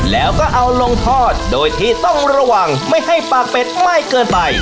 แล้วก็เอาลงทอดโดยที่ต้องระวังไม่ให้ปากเป็ดไม่เกินไป